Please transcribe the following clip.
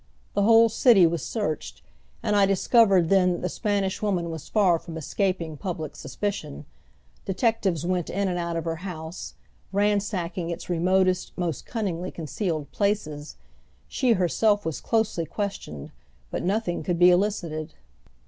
The whole city was searched, and I discovered then that the Spanish Woman was far from escaping public suspicion. Detectives went in and out of her house, ransacking its remotest, most cunningly concealed places. She herself was closely questioned, but nothing could be elicited.